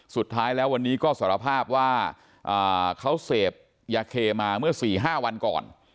สุดท้ายแล้ววันนี้ก็สารภาพว่าเขาเสพยาเคมาเมื่อ๔๕วันก่อน